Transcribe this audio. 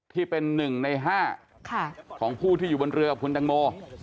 ที่เป็น๑ใน๕ของผู้ที่อยู่บนเรือกับคุณตังโม